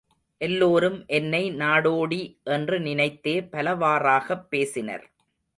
எல்லோரும் என்னை நாடோடி என்று நினைத்தே பலவாறாகப் பேசினர்.